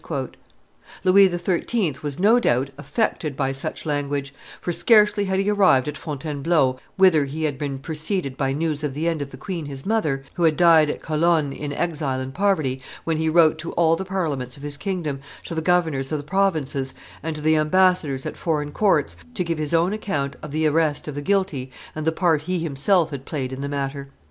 Louis XIII. was, no doubt, affected by such language; for, scarcely had he arrived at Fontainebleau, whither he had been preceded by news of the end of the queen his mother, who had died at Cologne in exile and poverty, when he wrote to all the parliaments of his kingdom, to the governors of the provinces, and to the ambassadors at foreign courts, to give his own account of the arrest of the guilty and the part he himself had played in the matter.